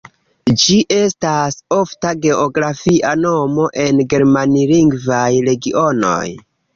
Ĝi estas ofta geografia nomo en germanlingvaj regionoj.